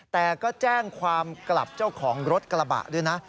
แต่ก็แจ้งความกลับเจ้าของรถกระบะด้วยนะ